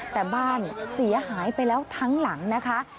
แต่บ้านเสียหายไปแล้วทั้งหลังนะคะ